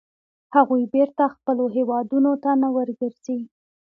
هغوی بېرته خپلو هیوادونو ته نه ورګرځي.